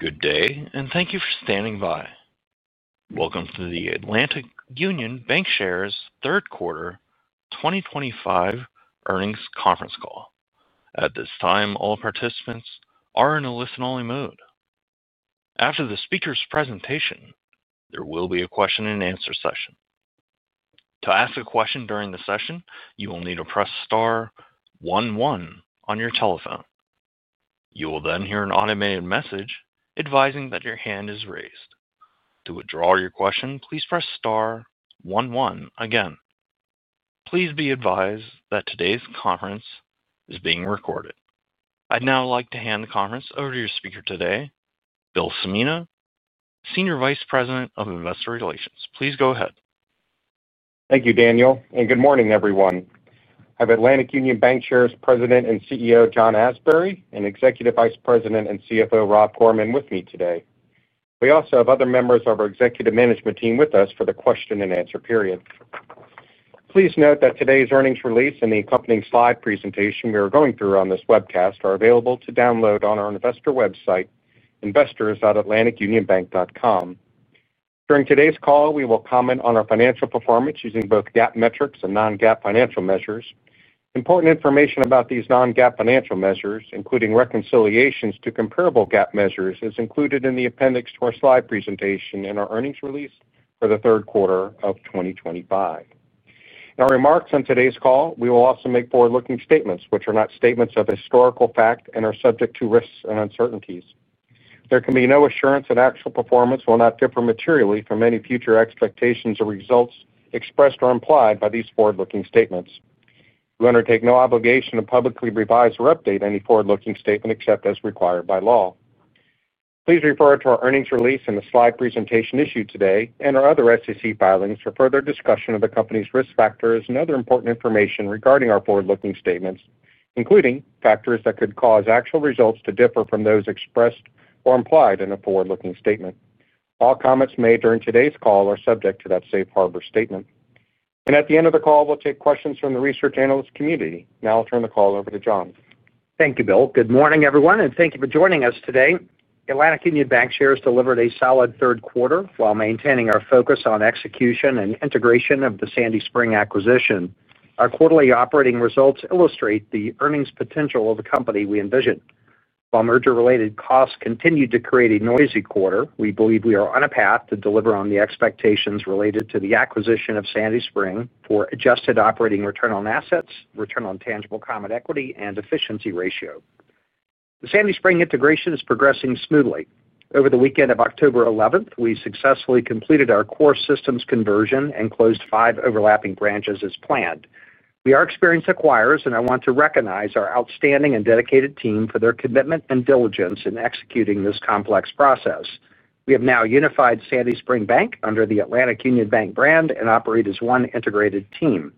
Good day, and thank you for standing by. Welcome to the Atlantic Union Bankshares Third Quarter 2025 Earnings Conference Call. At this time, all participants are in a listen-only mode. After the speaker's presentation, there will be a question and answer session. To ask a question during the session, you will need to press star one one on your telephone. You will then hear an automated message advising that your hand is raised. To withdraw your question, please press star one one again. Please be advised that today's conference is being recorded. I'd now like to hand the conference over to your speaker today, Bill Cimino, Senior Vice President of Investor Relations. Please go ahead. Thank you, Daniel, and good morning, everyone. I have Atlantic Union Bankshares President and CEO John Asbury and Executive Vice President and CFO Rob Gorman with me today. We also have other members of our executive management team with us for the question and answer period. Please note that today's earnings release and the accompanying slide presentation we are going through on this webcast are available to download on our investor website, investors.atlanticunionbank.com. During today's call, we will comment on our financial performance using both GAAP metrics and non-GAAP financial measures. Important information about these non-GAAP financial measures, including reconciliations to comparable GAAP measures, is included in the appendix to our slide presentation and our earnings release for the third quarter of 2025. In our remarks on today's call, we will also make forward-looking statements, which are not statements of historical fact and are subject to risks and uncertainties. There can be no assurance that actual performance will not differ materially from any future expectations or results expressed or implied by these forward-looking statements. You undertake no obligation to publicly revise or update any forward-looking statement except as required by law. Please refer to our earnings release and the slide presentation issued today and our other SEC filings for further discussion of the company's risk factors and other important information regarding our forward-looking statements, including factors that could cause actual results to differ from those expressed or implied in a forward-looking statement. All comments made during today's call are subject to that safe harbor statement. At the end of the call, we'll take questions from the research analyst community. Now I'll turn the call over to John. Thank you, Bill. Good morning, everyone, and thank you for joining us today. Atlantic Union Bankshares delivered a solid third quarter while maintaining our focus on execution and integration of the Sandy Spring acquisition. Our quarterly operating results illustrate the earnings potential of the company we envision. While merger-related costs continued to create a noisy quarter, we believe we are on a path to deliver on the expectations related to the acquisition of Sandy Spring for adjusted operating return on assets, adjusted operating return on tangible common equity, and adjusted operating efficiency ratio. The Sandy Spring integration is progressing smoothly. Over the weekend of October 11, we successfully completed our core systems conversion and closed five overlapping branches as planned. We are experienced acquirers, and I want to recognize our outstanding and dedicated team for their commitment and diligence in executing this complex process. We have now unified Sandy Spring Bank under the Atlantic Union Bank brand and operate as one integrated team.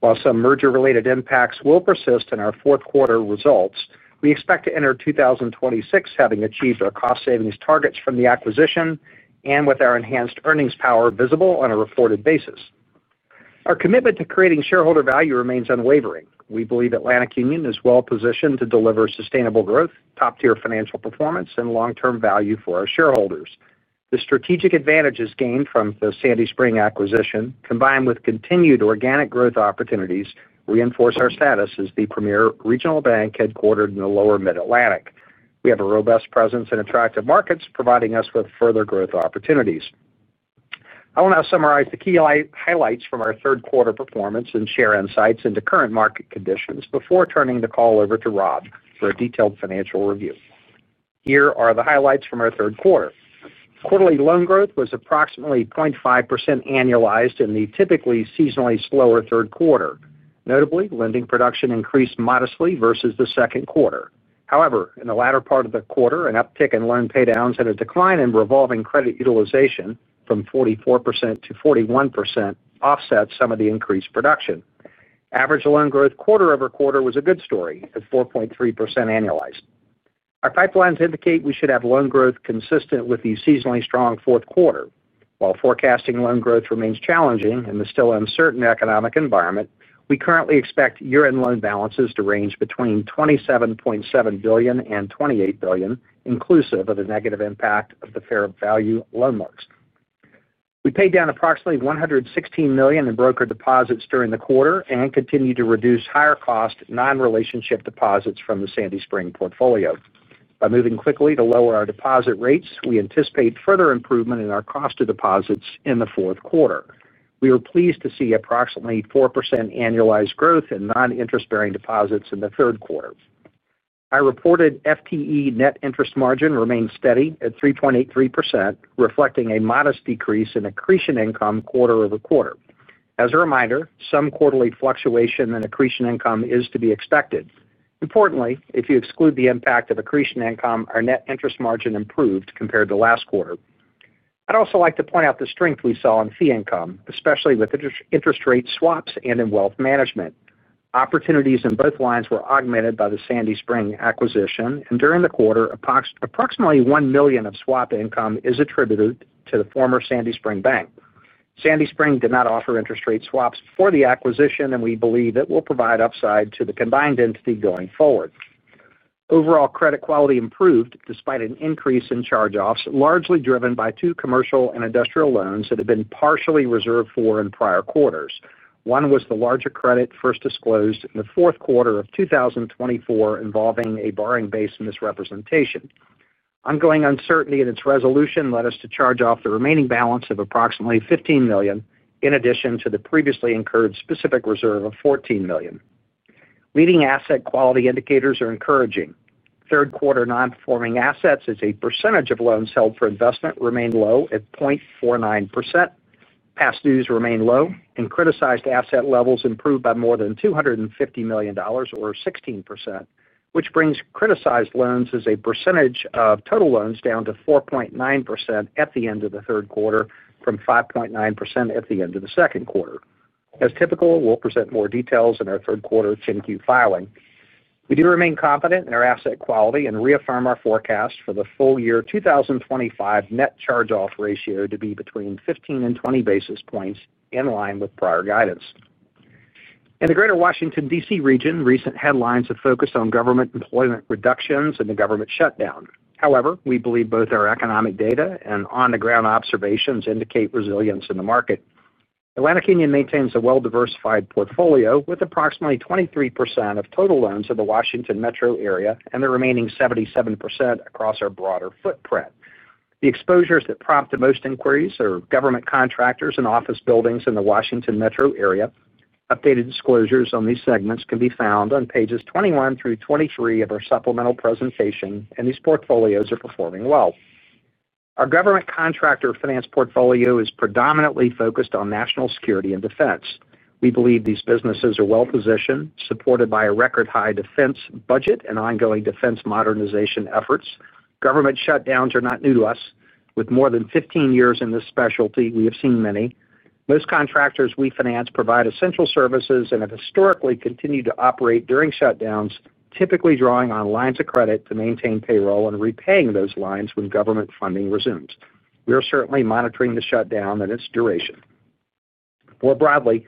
While some merger-related impacts will persist in our fourth quarter results, we expect to enter 2026 having achieved our cost-savings targets from the acquisition and with our enhanced earnings power visible on a reported basis. Our commitment to creating shareholder value remains unwavering. We believe Atlantic Union is well-positioned to deliver sustainable growth, top-tier financial performance, and long-term value for our shareholders. The strategic advantages gained from the Sandy Spring acquisition, combined with continued organic growth opportunities, reinforce our status as the premier regional bank headquartered in the lower Mid-Atlantic. We have a robust presence in attractive markets, providing us with further growth opportunities. I will now summarize the key highlights from our third quarter performance and share insights into current market conditions before turning the call over to Rob for a detailed financial review. Here are the highlights from our third quarter. Quarterly loan growth was approximately 0.5% annualized in the typically seasonally slower third quarter. Notably, lending production increased modestly versus the second quarter. However, in the latter part of the quarter, an uptick in loan paydowns and a decline in revolving credit utilization from 44%-41% offset some of the increased production. Average loan growth quarter over quarter was a good story at 4.3% annualized. Our pipelines indicate we should have loan growth consistent with the seasonally strong fourth quarter. While forecasting loan growth remains challenging in the still uncertain economic environment, we currently expect year-end loan balances to range between $27.7 billion and $28 billion, inclusive of the negative impact of the fair value loans. We paid down approximately $116 million in broker deposits during the quarter and continue to reduce higher-cost non-relationship deposits from the Sandy Spring portfolio. By moving quickly to lower our deposit rates, we anticipate further improvement in our cost of deposits in the fourth quarter. We were pleased to see approximately 4% annualized growth in non-interest-bearing deposits in the third quarter. Our reported FTE net interest margin remains steady at 3.83%, reflecting a modest decrease in accretion income quarter over quarter. As a reminder, some quarterly fluctuation in accretion income is to be expected. Importantly, if you exclude the impact of accretion income, our net interest margin improved compared to last quarter. I'd also like to point out the strength we saw in fee income, especially with interest rate swaps and in wealth management. Opportunities in both lines were augmented by the Sandy Spring acquisition, and during the quarter, approximately $1 million of swap income is attributed to the former Sandy Spring Bank. Sandy Spring did not offer interest rate swaps before the acquisition, and we believe it will provide upside to the combined entity going forward. Overall, credit quality improved despite an increase in charge-offs, largely driven by two commercial and industrial loans that had been partially reserved for in prior quarters. One was the larger credit first disclosed in the fourth quarter of 2024, involving a borrowing base misrepresentation. Ongoing uncertainty in its resolution led us to charge off the remaining balance of approximately $15 million, in addition to the previously incurred specific reserve of $14 million. Leading asset quality indicators are encouraging. Third quarter non-performing assets as a percentage of loans held for investment remain low at 0.49%. Past dues remain low, and criticized asset levels improved by more than $250 million, or 16%, which brings criticized loans as a percentage of total loans down to 4.9% at the end of the third quarter from 5.9% at the end of the second quarter. As typical, we'll present more details in our third quarter 10-Q filing. We do remain confident in our asset quality and reaffirm our forecast for the full year 2025 net charge-off ratio to be between 15 and 20 bps, in line with prior guidance. In the greater Washington, D.C. region, recent headlines have focused on government employment reductions and the government shutdown. However, we believe both our economic data and on-the-ground observations indicate resilience in the market. Atlantic Union maintains a well-diversified portfolio with approximately 23% of total loans in the Washington metro area and the remaining 77% across our broader footprint. The exposures that prompted most inquiries are government contractors and office buildings in the Washington metro area. Updated disclosures on these segments can be found on pages 21 through 23 of our supplemental presentation, and these portfolios are performing well. Our government contractor finance portfolio is predominantly focused on national security and defense. We believe these businesses are well-positioned, supported by a record-high defense budget and ongoing defense modernization efforts. Government shutdowns are not new to us. With more than 15 years in this specialty, we have seen many. Most contractors we finance provide essential services and have historically continued to operate during shutdowns, typically drawing on lines of credit to maintain payroll and repaying those lines when government funding resumes. We are certainly monitoring the shutdown and its duration. More broadly,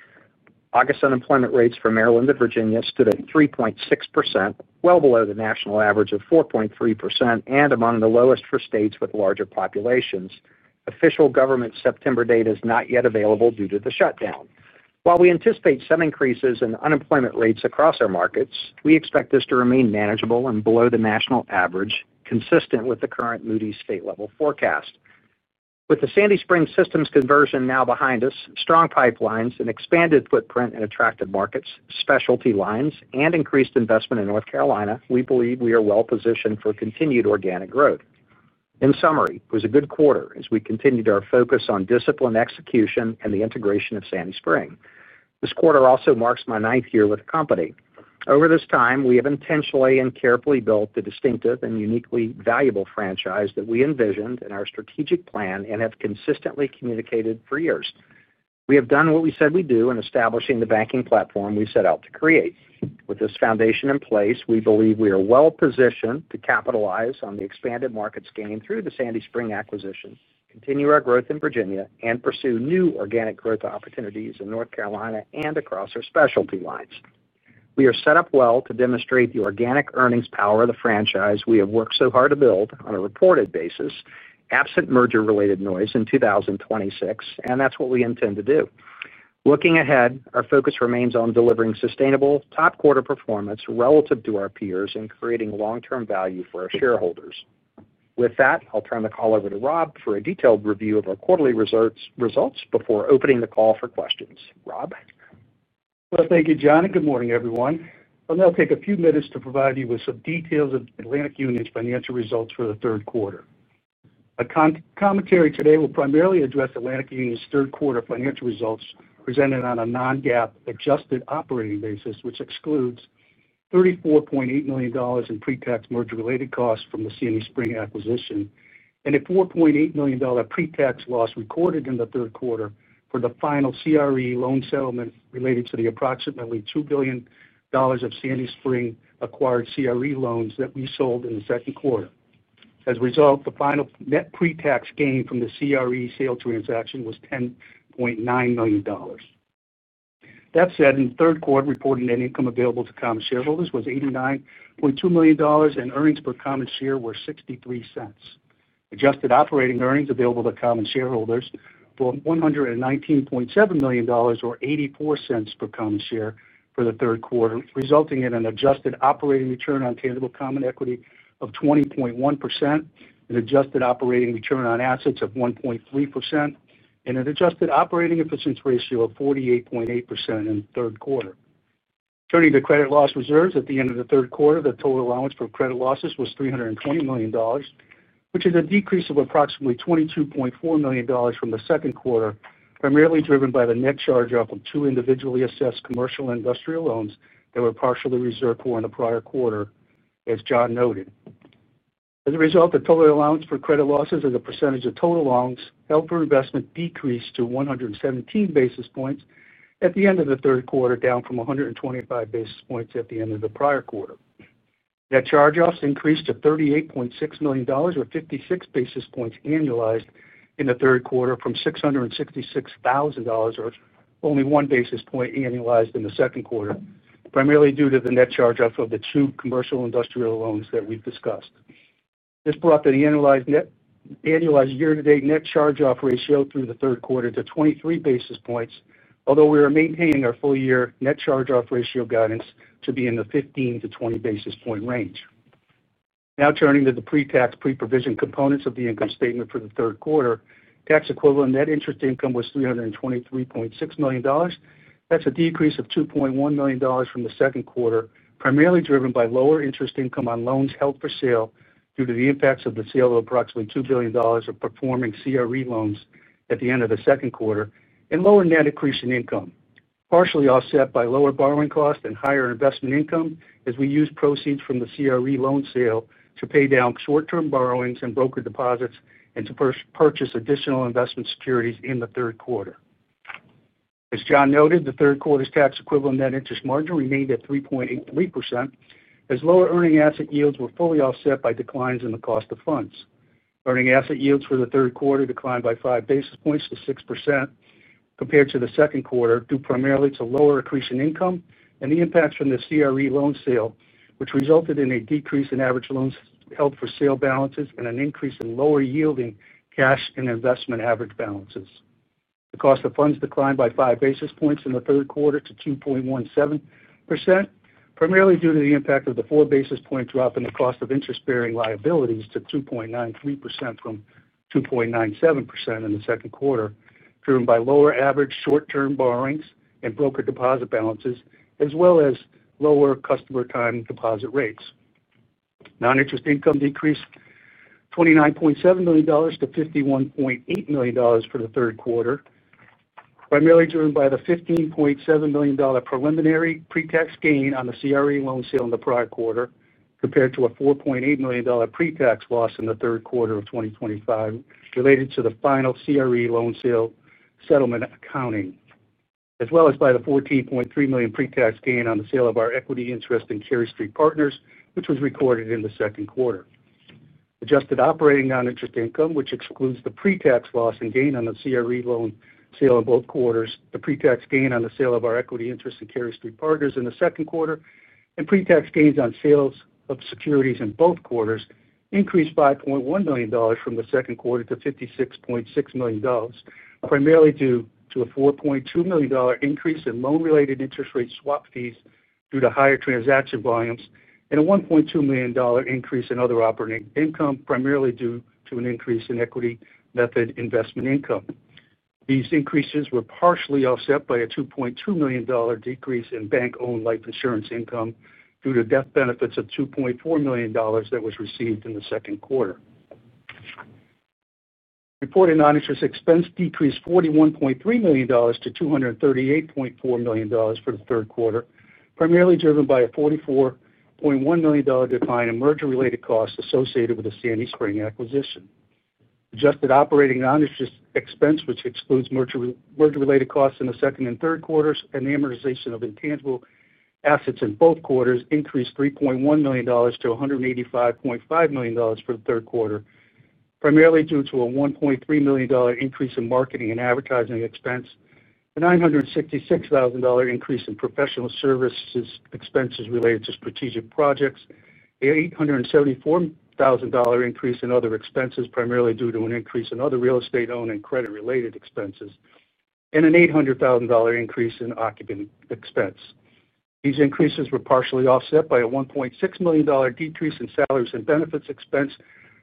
August unemployment rates from Maryland to Virginia stood at 3.6%, well below the national average of 4.3% and among the lowest for states with larger populations. Official government September data is not yet available due to the shutdown. While we anticipate some increases in unemployment rates across our markets, we expect this to remain manageable and below the national average, consistent with the current Moody's state-level forecast. With the Sandy Spring core systems conversion now behind us, strong pipelines, an expanded footprint in attractive markets, specialty lines, and increased investment in North Carolina, we believe we are well-positioned for continued organic growth. In summary, it was a good quarter as we continued our focus on disciplined execution and the integration of Sandy Spring. This quarter also marks my ninth year with the company. Over this time, we have intentionally and carefully built the distinctive and uniquely valuable franchise that we envisioned in our strategic plan and have consistently communicated for years. We have done what we said we'd do in establishing the banking platform we set out to create. With this foundation in place, we believe we are well-positioned to capitalize on the expanded markets gained through the Sandy Spring acquisition, continue our growth in Virginia, and pursue new organic growth opportunities in North Carolina and across our specialty lines. We are set up well to demonstrate the organic earnings power of the franchise we have worked so hard to build on a reported basis, absent merger-related noise in 2026, and that's what we intend to do. Looking ahead, our focus remains on delivering sustainable top-quarter performance relative to our peers and creating long-term value for our shareholders. With that, I'll turn the call over to Rob for a detailed review of our quarterly results before opening the call for questions. Rob? Thank you, John, and good morning, everyone. I'll now take a few minutes to provide you with some details of Atlantic Union's financial results for the third quarter. My commentary today will primarily address Atlantic Union's third quarter financial results presented on a non-GAAP adjusted operating basis, which excludes $34.8 million in pretax merger-related costs from the Sandy Spring acquisition and a $4.8 million pretax loss recorded in the third quarter for the final CRE loan settlement related to the approximately $2 billion of Sandy Spring acquired CRE loans that we sold in the second quarter. As a result, the final net pretax gain from the CRE sale transaction was $10.9 million. That said, in the third quarter, reported net income available to common shareholders was $89.2 million, and earnings per common share were $0.63. Adjusted operating earnings available to common shareholders were $119.7 million or $0.84 per common share for the third quarter, resulting in an adjusted operating return on tangible common equity of 20.1%, an adjusted operating return on assets of 1.3%, and an adjusted operating efficiency ratio of 48.8% in the 1/3 quarter. Turning to credit loss reserves at the end of the third quarter, the total allowance for credit losses was $320 million, which is a decrease of approximately $22.4 million from the second quarter, primarily driven by the net charge-off of two individually assessed commercial and industrial loans that were partially reserved for in the prior quarter, as John noted. As a result, the total allowance for credit losses as a percentage of total loans held for investment decreased to 117 basis points at the end of the third quarter, down from 125 basis points at the end of the prior quarter. Net charge-offs increased to $38.6 million or 56 basis points annualized in the third quarter from $666,000 or only 1 basis point annualized in the second quarter, primarily due to the net charge-off of the two commercial industrial loans that we've discussed. This brought the annualized year-to-date net charge-off ratio through the third quarter to 23 basis points, although we are maintaining our full-year net charge-off ratio guidance to be in the 15-20 basis point range. Now turning to the pretax pre-provision components of the income statement for the third quarter, tax equivalent net interest income was $323.6 million. That's a decrease of $2.1 million from the second quarter, primarily driven by lower interest income on loans held for sale due to the impacts of the sale of approximately $2 billion of performing CRE loans at the end of the second quarter and lower net accretion income, partially offset by lower borrowing costs and higher investment income as we use proceeds from the CRE loan sale to pay down short-term borrowings and broker deposits and to purchase additional investment securities in the third quarter. As John noted, the third quarter's tax equivalent net interest margin remained at 3.83% as lower earning asset yields were fully offset by declines in the cost of funds. Earning asset yields for the third quarter declined by 5 basis points to 6% compared to the second quarter, due primarily to lower accretion income and the impacts from the CRE loan sale, which resulted in a decrease in average loans held for sale balances and an increase in lower yielding cash and investment average balances. The cost of funds declined by five basis points in the third quarter to 2.17%, primarily due to the impact of the four basis point drop in the cost of interest-bearing liabilities to 2.93% from 2.97% in the second quarter, driven by lower average short-term borrowings and broker deposit balances, as well as lower customer time deposit rates. Non-interest income decreased $29.7 million to $51.8 million for the third quarter, primarily driven by the $15.7 million preliminary pretax gain on the CRE loan sale in the prior quarter compared to a $4.8 million pretax loss in the third quarter of 2025 related to the final CRE loan sale settlement accounting, as well as by the $14.3 million pretax gain on the sale of our equity interest in Cary Street Partners, which was recorded in the second quarter. Adjusted operating non-interest income, which excludes the pretax loss and gain on the CRE loan sale in both quarters, the pretax gain on the sale of our equity interest in Cary Street Partners in the second quarter, and pretax gains on sales of securities in both quarters, increased $5.1 million from the second quarter to $56.6 million, primarily due to a $4.2 million increase in loan-related interest rate swap fees due to higher transaction volumes and a $1.2 million increase in other operating income, primarily due to an increase in equity method investment income. These increases were partially offset by a $2.2 million decrease in bank-owned life insurance income due to death benefits of $2.4 million that was received in the second quarter. Reported non-interest expense decreased $41.3 million to $238.4 million for the third quarter, primarily driven by a $44.1 million decline in merger-related costs associated with the Sandy Spring acquisition. Adjusted operating non-interest expense, which excludes merger-related costs in the second and third quarters and the amortization of intangible assets in both quarters, increased $3.1 million to $185.5 million for the 1 quarter, primarily due to a $1.3 million increase in marketing and advertising expense, a $966,000 increase in professional services expenses related to strategic projects, an $874,000 increase in other expenses, primarily due to an increase in other real estate-owned and credit-related expenses, and an $800,000 increase in occupant expense. These increases were partially offset by a $1.6 million decrease in salaries and benefits expense,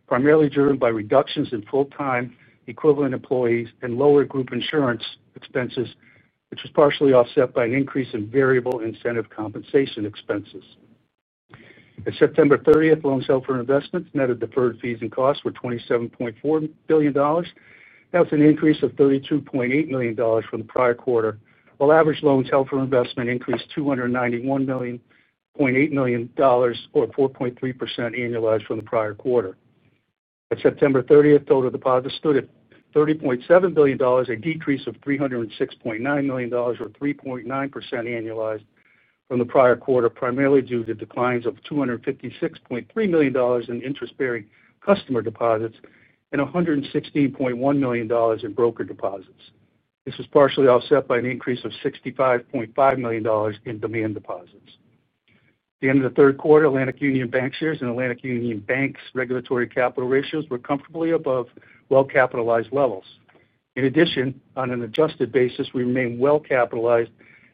primarily driven by reductions in full-time equivalent employees and lower group insurance expenses, which was partially offset by an increase in variable incentive compensation expenses. At September 30, loans held for investments netted deferred fees and costs were $27.4 billion. That was an increase of $32.8 million from the prior quarter, while average loans held for investment increased $291.8 million or 4.3% annualized from the prior quarter. At September 30, total deposits stood at $30.7 billion, a decrease of $306.9 million or 3.9% annualized from the prior quarter, primarily due to declines of $256.3 million in interest-bearing customer deposits and $116.1 million in broker deposits. This was partially offset by an increase of $65.5 million in demand deposits. At the end of the third quarter, Atlantic Union Bankshares and Atlantic Union Bank's regulatory capital ratios were comfortably above well-capitalized levels. In addition, on an adjusted basis, we remain well-capitalized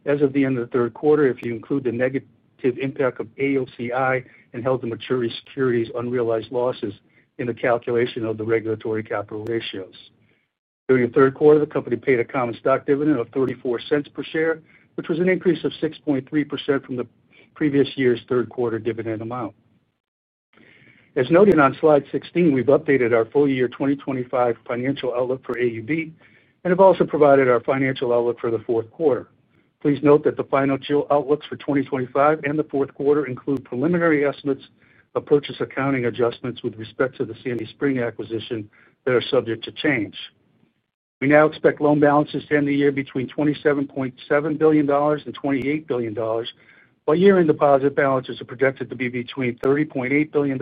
as of the end of the third quarter if you include the negative impact of AOCI and held-to-maturity securities' unrealized losses in the calculation of the regulatory capital ratios. During the third quarter, the company paid a common stock dividend of $0.34 per share, which was an increase of 6.3% from the previous year's third quarter dividend amount. As noted on slide 16, we've updated our full-year 2025 financial outlook for Atlantic Union Bankshares Corporation and have also provided our financial outlook for the fourth quarter. Please note that the financial outlooks for 2025 and the fourth quarter include preliminary estimates of purchase accounting adjustments with respect to the Sandy Spring acquisition that are subject to change. We now expect loan balances to end the year between $27.7 billion and $28 billion, while year-end deposit balances are projected to be between $30.8 billion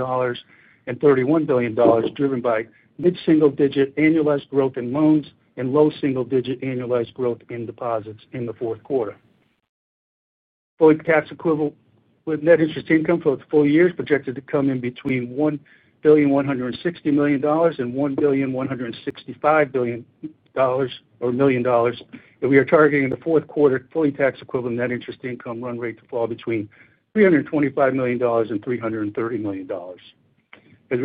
and $31 billion, driven by mid-single-digit annualized growth in loans and low single-digit annualized growth in deposits in the fourth quarter. Fully tax equivalent net interest income for the full year is projected to come in between $1.16 billion and $1.165 billion, and we are targeting in the fourth quarter fully tax equivalent net interest income run rate to fall between $325 million and $330 million. As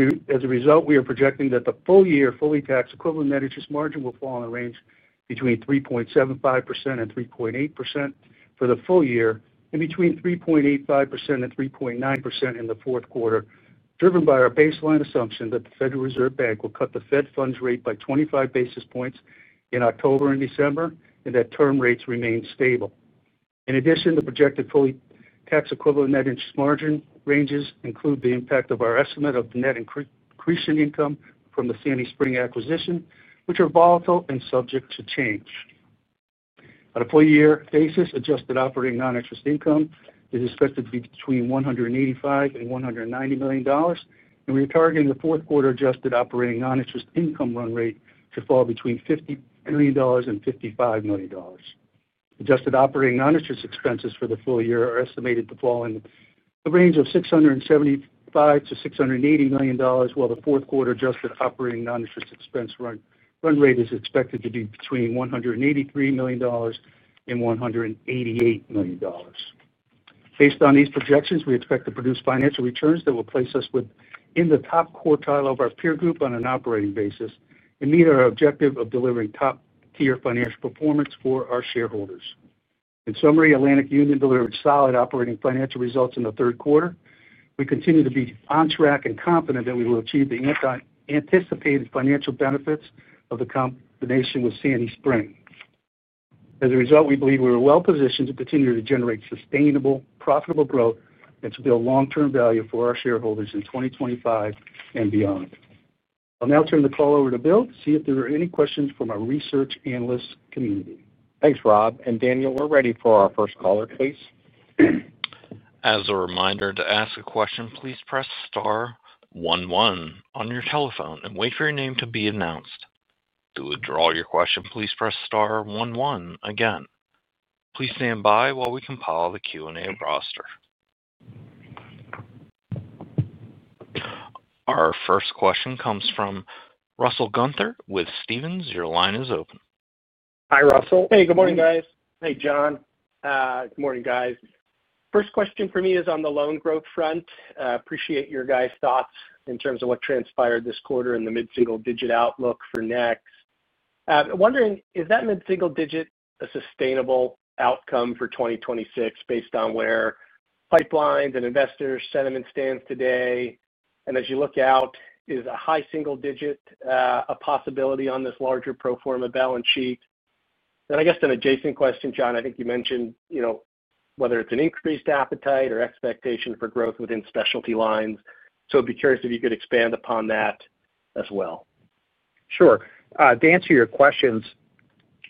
a result, we are projecting that the full year fully tax equivalent net interest margin will fall in the range between 3.75% and 3.8% for the full year and between 3.85% and 3.9% in the fourth quarter, driven by our baseline assumption that the Federal Reserve Bank will cut the Fed funds rate by 25 basis points in October and December and that term rates remain stable. In addition, the projected fully tax equivalent net interest margin ranges include the impact of our estimate of the net accretion income from the Sandy Spring acquisition, which are volatile and subject to change. On a full-year basis, adjusted operating non-interest income is expected to be between $185 million and $190 million, and we are targeting the fourth quarter adjusted operating non-interest income run rate to fall between $50 million and $55 million. Adjusted operating non-interest expenses for the full year are estimated to fall in the range of $675 million to $680 million, while the fourth quarter adjusted operating non-interest expense run rate is expected to be between $183 million and $188 million. Based on these projections, we expect to produce financial returns that will place us within the top quartile of our peer group on an operating basis and meet our objective of delivering top-tier financial performance for our shareholders. In summary, Atlantic Union Bankshares Corporation delivered solid operating financial results in the third quarter. We continue to be on track and confident that we will achieve the anticipated financial benefits of the combination with Sandy Spring. As a result, we believe we are well-positioned to continue to generate sustainable, profitable growth and to build long-term value for our shareholders in 2025 and beyond. I'll now turn the call over to Bill Cimino to see if there are any questions from our research analyst community. Thanks, Rob. Daniel, we're ready for our first caller, please. As a reminder, to ask a question, please press star one one on your telephone and wait for your name to be announced. To withdraw your question, please press star one one again. Please stand by while we compile the Q&A roster. Our first question comes from Russell Gunther with Stephens Inc. Your line is open. Hi, Russell. Hey, good morning, guys. Hey, John. Good morning, guys. First question for me is on the loan growth front. Appreciate your guys' thoughts in terms of what transpired this quarter and the mid-single-digit outlook for next. I'm wondering, is that mid-single-digit a sustainable outcome for 2026 based on where pipelines and investors' sentiment stands today? As you look out, is a high single-digit a possibility on this larger pro forma balance sheet? I guess an adjacent question, John, I think you mentioned, you know, whether it's an increased appetite or expectation for growth within specialty lines. I'd be curious if you could expand upon that as well. Sure. To answer your questions,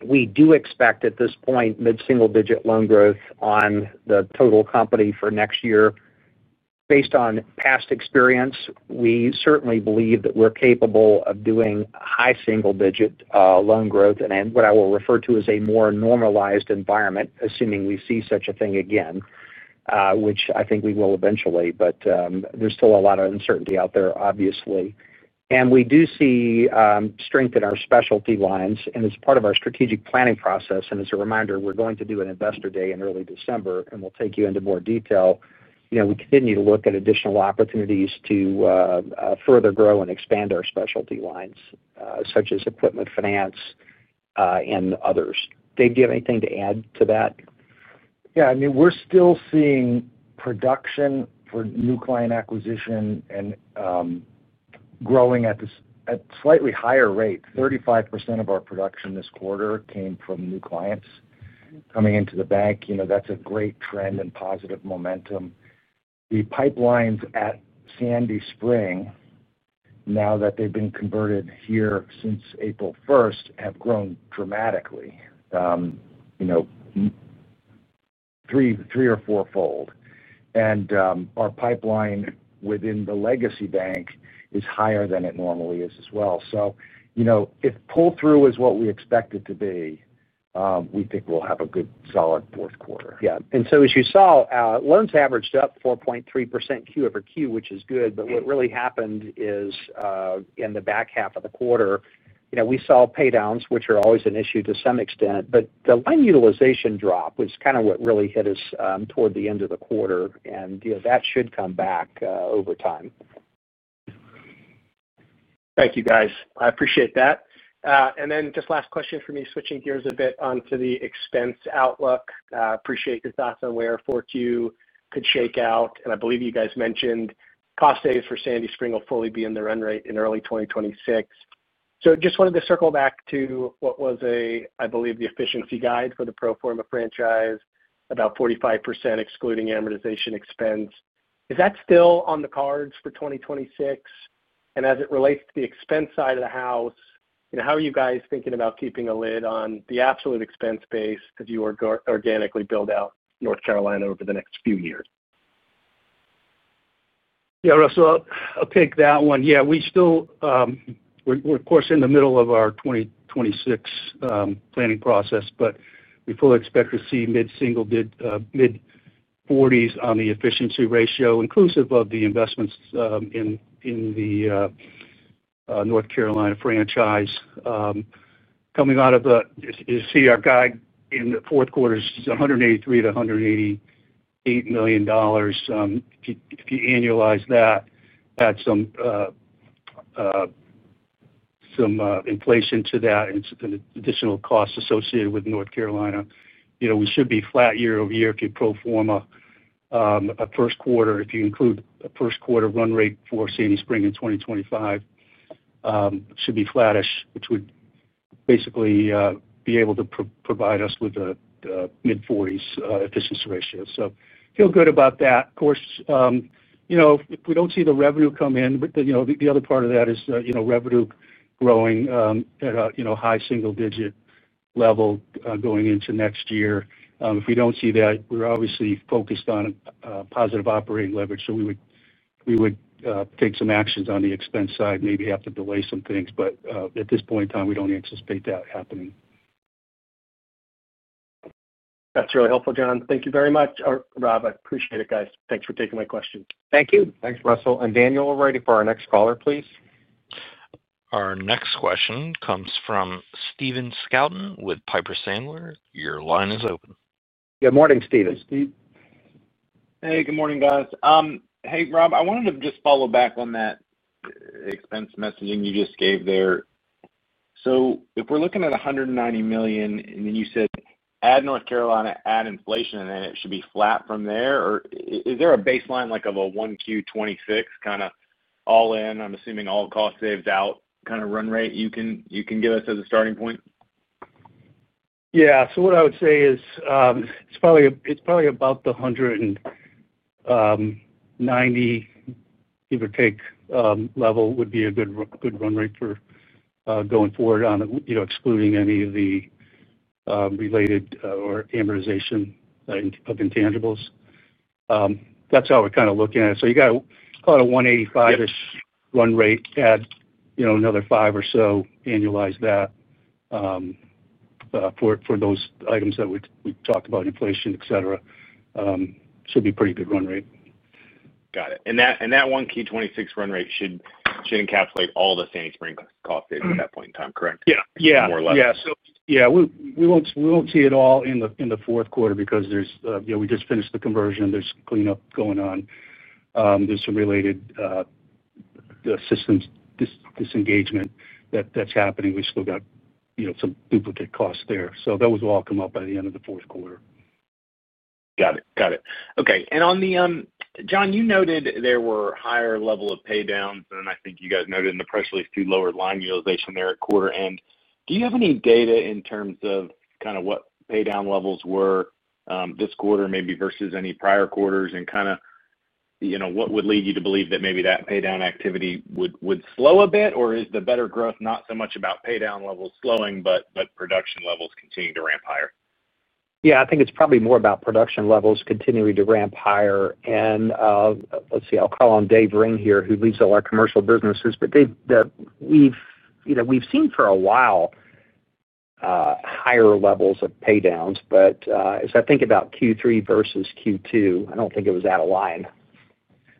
we do expect at this point mid-single-digit loan growth on the total company for next year. Based on past experience, we certainly believe that we're capable of doing high single-digit loan growth in what I will refer to as a more normalized environment, assuming we see such a thing again, which I think we will eventually. There is still a lot of uncertainty out there, obviously. We do see strength in our specialty lines, and it's part of our strategic planning process. As a reminder, we're going to do an investor day in early December, and we'll take you into more detail. We continue to look at additional opportunities to further grow and expand our specialty lines, such as equipment finance and others. Dave, do you have anything to add to that? Yeah, I mean, we're still seeing production for new client acquisition and growing at this at slightly higher rate. 35% of our production this quarter came from new clients coming into the bank. You know, that's a great trend and positive momentum. The pipelines at Sandy Spring, now that they've been converted here since April 1st, have grown dramatically, you know, three or four-fold. Our pipeline within the legacy bank is higher than it normally is as well. If pull-through is what we expect it to be, we think we'll have a good solid fourth quarter. Yeah. As you saw, loans averaged up 4.3% Q over Q, which is good. What really happened is, in the back half of the quarter, we saw paydowns, which are always an issue to some extent, but the lending utilization drop was kind of what really hit us toward the end of the quarter. That should come back over time. Thank you, guys. I appreciate that. Just last question for me, switching gears a bit onto the expense outlook. I appreciate your thoughts on where 4Q could shake out. I believe you guys mentioned cost saves for Sandy Spring will fully be in the run rate in early 2026. I just wanted to circle back to what was, I believe, the efficiency guide for the pro forma franchise, about 45% excluding amortization expense. Is that still on the cards for 2026? As it relates to the expense side of the house, how are you guys thinking about keeping a lid on the absolute expense base as you organically build out North Carolina over the next few years? Yeah, Russell, I'll take that one. We are, of course, in the middle of our 2026 planning process, but we fully expect to see mid-single mid-40s on the efficiency ratio, inclusive of the investments in the North Carolina franchise. You see our guide in the fourth quarter is $183-$188 million. If you annualize that, add some inflation to that and some additional costs associated with North Carolina, we should be flat year over year if you pro forma a first quarter, if you include a first quarter run rate for Sandy Spring in 2025, should be flattish, which would basically be able to provide us with a mid-40s efficiency ratio. Feel good about that. Of course, if we don't see the revenue come in, the other part of that is revenue growing at a high single-digit level going into next year. If we don't see that, we're obviously focused on a positive operating leverage. We would take some actions on the expense side, maybe have to delay some things, but at this point in time, we don't anticipate that happening. That's really helpful, John. Thank you very much. Rob, I appreciate it, guys. Thanks for taking my question. Thank you. Thanks, Russell. Daniel, we're ready for our next caller, please. Our next question comes from Steven Scouton with Piper Sandler. Your line is open. Good morning, Steven. Hey, good morning, guys. Hey, Rob, I wanted to just follow back on that expense messaging you just gave there. If we're looking at $190 million, and then you said add North Carolina, add inflation, and then it should be flat from there, or is there a baseline like of a 1Q2026 kind of all-in, I'm assuming all costs saved out kind of run rate you can give us as a starting point? Yeah. What I would say is, it's probably about the $190 million, give or take, level would be a good run rate for going forward, excluding any of the related or amortization of intangibles. That's how we're kind of looking at it. You got to call it a $185 million-ish run rate, add another $5 million or so, annualize that for those items that we talked about, inflation, etc. Should be a pretty good run rate. Got it. That 1Q26 run rate should encapsulate all the Sandy Spring cost saves at that point in time, correct? Yeah. Yeah. More or less. Yeah, we won't see it all in the fourth quarter because there's, you know, we just finished the conversion. There's cleanup going on, there's some related systems disengagement that's happening. We still got, you know, some duplicate costs there. Those will all come up by the end of the fourth quarter. Got it. Okay. John, you noted there were a higher level of paydowns, and I think you guys noted in the press release too lower line utilization there at quarter end. Do you have any data in terms of what paydown levels were this quarter versus any prior quarters and what would lead you to believe that maybe that paydown activity would slow a bit, or is the better growth not so much about paydown levels slowing, but production levels continuing to ramp higher? Yeah, I think it's probably more about production levels continuing to ramp higher. I'll call on Dave Ring here, who leads all our commercial businesses. Dave, we've seen for a while, higher levels of paydowns. As I think about Q3 versus Q2, I don't think it was out of line.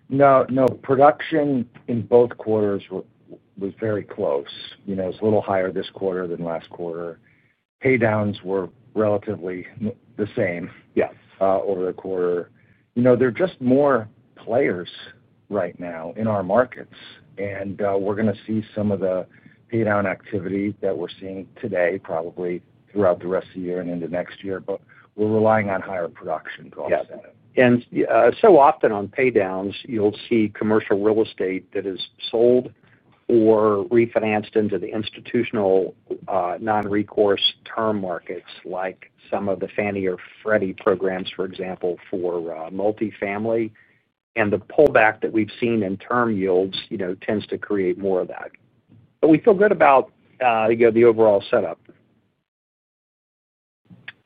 No, production in both quarters was very close. It was a little higher this quarter than last quarter. Paydowns were relatively the same over the quarter. There are just more players right now in our markets. We're going to see some of the paydown activity that we're seeing today probably throughout the rest of the year and into next year, but we're relying on higher production costs. Often on paydowns, you'll see commercial real estate that is sold or refinanced into the institutional, non-recourse term markets like some of the Fannie or Freddie programs, for example, for multifamily. The pullback that we've seen in term yields tends to create more of that. We feel good about the overall setup.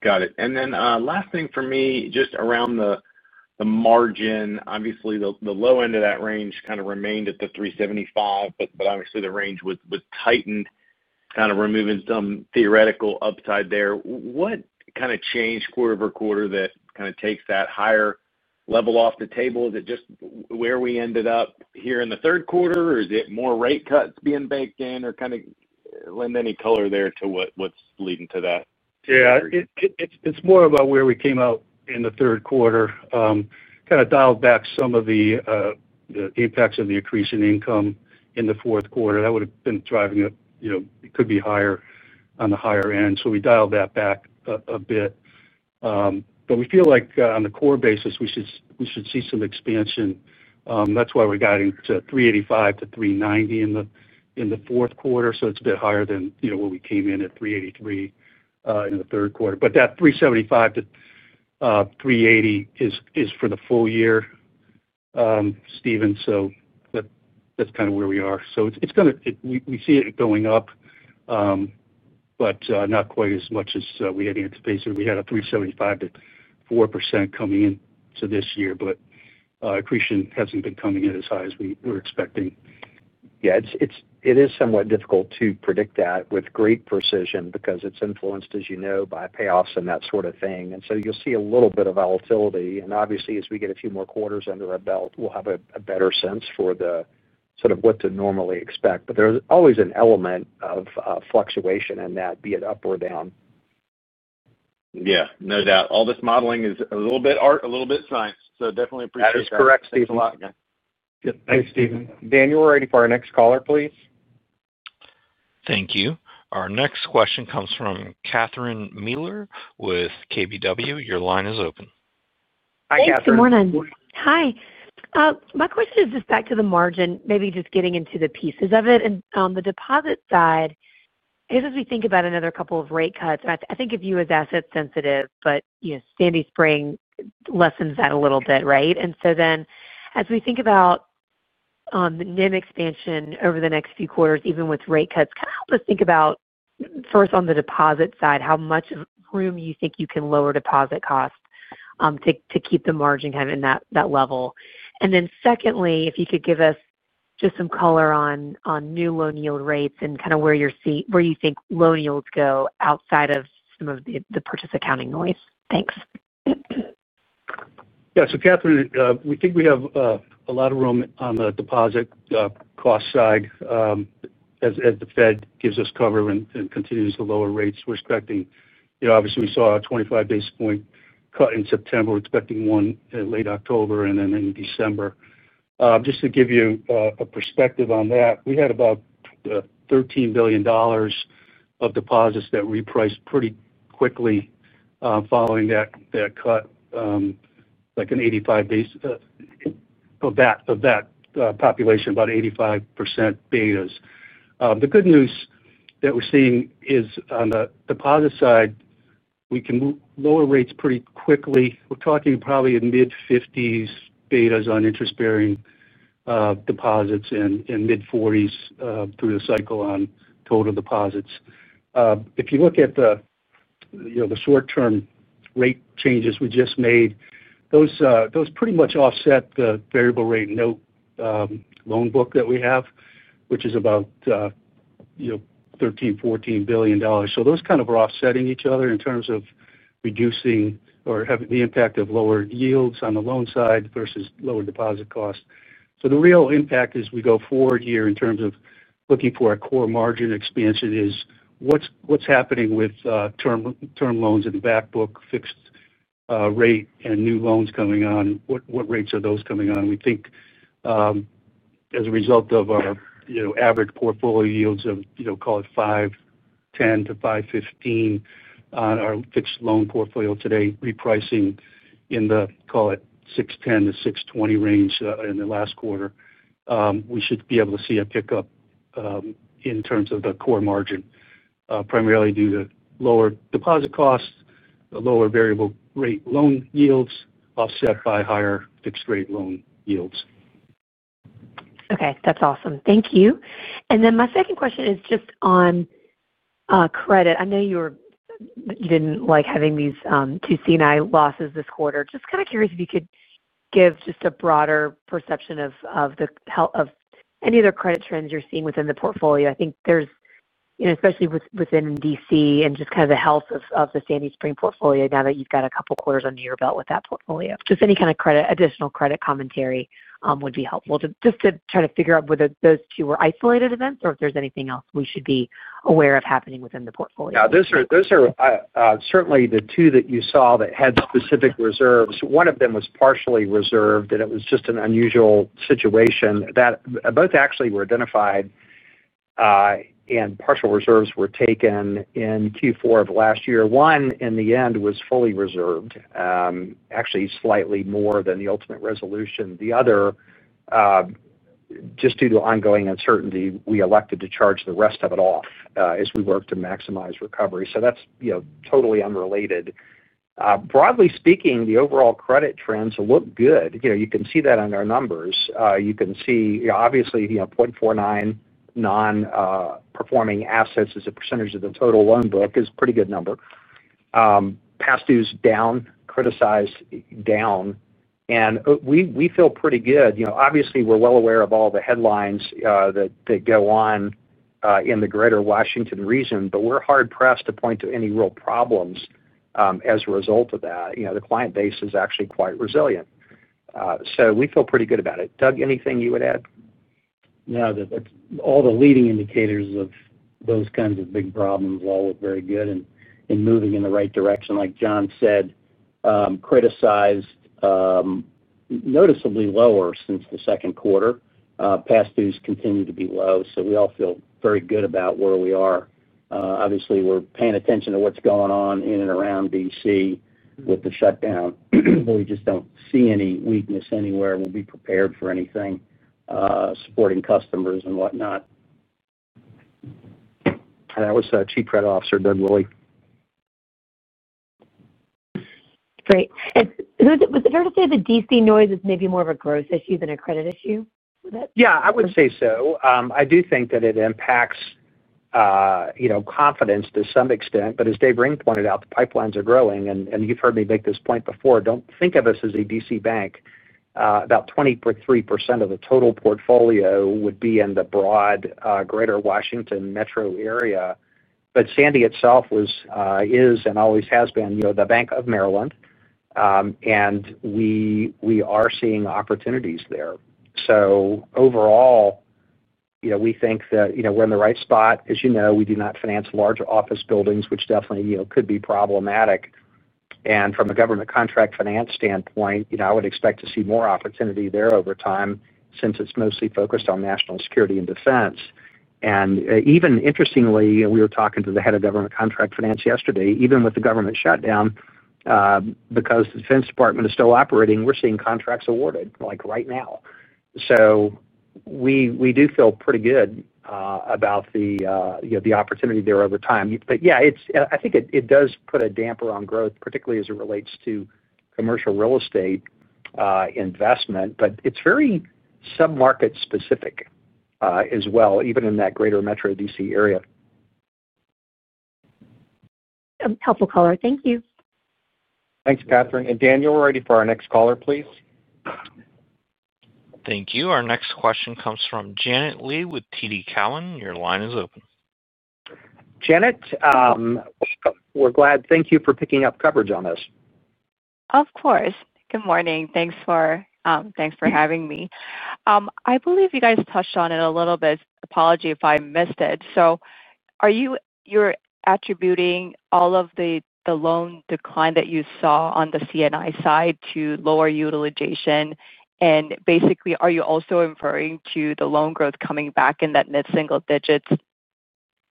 Got it. Last thing for me, just around the margin, obviously, the low end of that range kind of remained at the 3.75, but obviously, the range was tightened, kind of removing some theoretical upside there. What kind of changed quarter over quarter that kind of takes that higher level off the table? Is it just where we ended up here in the third quarter, or is it more rate cuts being baked in, or lend any color there to what's leading to that? Yeah, it's more about where we came out in the third quarter. Kind of dialed back some of the impacts of the accretion income in the fourth quarter. That would have been driving it, you know, it could be higher on the higher end. We dialed that back a bit, but we feel like on the core basis, we should see some expansion. That's why we're guiding to 3.85%-3.90% in the fourth quarter. It's a bit higher than, you know, where we came in at 3.83% in the third quarter. That 3.75%-3.80% is for the full year, Steven. That's kind of where we are. We see it going up, but not quite as much as we had anticipated. We had a 3.75%-4% coming into this year, but accretion hasn't been coming in as high as we were expecting. Yeah, it is somewhat difficult to predict that with great precision because it's influenced, as you know, by payoffs and that sort of thing. You'll see a little bit of volatility. Obviously, as we get a few more quarters under our belt, we'll have a better sense for what to normally expect. There's always an element of fluctuation in that, be it up or down. Yeah, no doubt. All this modeling is a little bit art, a little bit science. Definitely appreciate that. That is correct, Steven. A lot. Yeah, thanks, Steven. Daniel, we're ready for our next caller, please. Thank you. Our next question comes from Catherine Mealor with Keefe Bruyette & Woods. Your line is open. Hi, Catherine. Hi, good morning. My question is just back to the margin, maybe just getting into the pieces of it. On the deposit side, I guess as we think about another couple of rate cuts, and I think of you as asset-sensitive, but you know Sandy Spring lessens that a little bit, right? As we think about the NIM expansion over the next few quarters, even with rate cuts, kind of help us think about, first, on the deposit side, how much room you think you can lower deposit costs to keep the margin kind of in that level. Secondly, if you could give us just some color on new loan yield rates and kind of where you're seeing, where you think loan yields go outside of some of the purchase accounting noise. Thanks. Yeah, so Catherine, we think we have a lot of room on the deposit cost side as the Fed gives us cover and continues to lower rates. We're expecting, you know, obviously, we saw a 25 basis point cut in September. We're expecting one in late October and then in December. Just to give you a perspective on that, we had about $13 billion of deposits that repriced pretty quickly following that cut, like an 85% of that population, about 85% betas. The good news that we're seeing is on the deposit side, we can lower rates pretty quickly. We're talking probably in mid-50s betas on interest-bearing deposits and mid-40s through the cycle on total deposits. If you look at the short-term rate changes we just made, those pretty much offset the variable rate note loan book that we have, which is about, you know, $13 billion, $14 billion. Those are offsetting each other in terms of reducing or having the impact of lower yields on the loan side versus lower deposit costs. The real impact as we go forward here in terms of looking for a core margin expansion is what's happening with term loans in the backbook, fixed rate, and new loans coming on. What rates are those coming on? We think, as a result of our, you know, average portfolio yields of, you know, call it 5.10%-5.15% on our fixed loan portfolio today, repricing in the, call it, 6.10%-6.20% range in the last quarter, we should be able to see a pickup in terms of the core margin, primarily due to lower deposit costs, the lower variable rate loan yields offset by higher fixed-rate loan yields. Okay. That's awesome. Thank you. My second question is just on credit. I know you didn't like having these two C&I losses this quarter. I'm just kind of curious if you could give a broader perception of the health of any other credit trends you're seeing within the portfolio. I think there's, you know, especially within D.C. and just the health of the Sandy Spring portfolio now that you've got a couple of quarters under your belt with that portfolio. Any kind of additional credit commentary would be helpful to try to figure out whether those two were isolated events or if there's anything else we should be aware of happening within the portfolio. Yeah, those are certainly the two that you saw that had specific reserves. One of them was partially reserved, and it was just an unusual situation. Both actually were identified, and partial reserves were taken in Q4 of last year. One in the end was fully reserved, actually slightly more than the ultimate resolution. The other, just due to ongoing uncertainty, we elected to charge the rest of it off, as we worked to maximize recovery. That's totally unrelated. Broadly speaking, the overall credit trends look good. You can see that on our numbers. You can see, obviously, 0.49% non-performing assets as a percentage of the total loan book is a pretty good number. Past dues down, criticized down. We feel pretty good. Obviously, we're well aware of all the headlines that go on in the greater Washington region, but we're hard-pressed to point to any real problems as a result of that. The client base is actually quite resilient. We feel pretty good about it. Doug, anything you would add? No, that's all. The leading indicators of those kinds of big problems all look very good and moving in the right direction. Like John said, criticized, noticeably lower since the second quarter. Past dues continue to be low. We all feel very good about where we are. Obviously, we're paying attention to what's going on in and around D.C. with the shutdown. We just don't see any weakness anywhere. We'll be prepared for anything, supporting customers and whatnot. That was Chief Credit Officer Doug Woolley. Is it fair to say the DC noise is maybe more of a gross issue than a credit issue with it? Yeah, I would say so. I do think that it impacts, you know, confidence to some extent. As David Ring pointed out, the pipelines are growing. You've heard me make this point before. Don't think of us as a D.C. bank. About 23% of the total portfolio would be in the broad, greater Washington metro area. Sandy itself was, is, and always has been, you know, the Bank of Maryland. We are seeing opportunities there. Overall, you know, we think that, you know, we're in the right spot. As you know, we do not finance large office buildings, which definitely, you know, could be problematic. From a government contractor finance standpoint, you know, I would expect to see more opportunity there over time since it's mostly focused on national security and defense. Interestingly, we were talking to the head of government contractor finance yesterday. Even with the government shutdown, because the Defense Department is still operating, we're seeing contracts awarded like right now. We do feel pretty good about the, you know, the opportunity there over time. Yeah, I think it does put a damper on growth, particularly as it relates to commercial real estate investment. It's very submarket-specific as well, even in that greater metro D.C. area. I will cut the call, thank you. Thanks, Catherine. Daniel, we're ready for our next caller, please. Thank you. Our next question comes from Janet Lee with TD Cowen. Your line is open. Janet, welcome. We're glad you're here. Thank you for picking up coverage on this. Of course. Good morning. Thanks for having me. I believe you guys touched on it a little bit. Apology if I missed it. Are you attributing all of the loan decline that you saw on the C&I side to lower utilization? Basically, are you also referring to the loan growth coming back in that mid-single digits